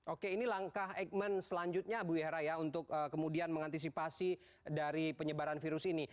oke ini langkah eijkman selanjutnya bu yara ya untuk kemudian mengantisipasi dari penyebaran virus ini